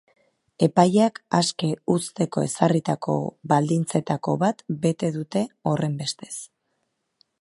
Epaileak aske uzteko ezarritako baldintzetako bat bete dute, horrenbestez.